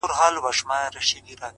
د وخت ضایع کول د ژوند ضایع کول دي!